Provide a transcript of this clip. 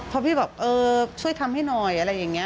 พอพี่บอกเออช่วยทำให้หน่อยอะไรอย่างนี้